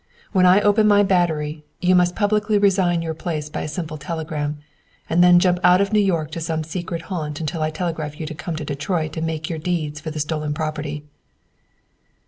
"When I open my battery, you must publicly resign your place by a simple telegram. And then jump out of New York to some secret haunt until I telegraph you to come to Detroit and make your deeds for the stolen property."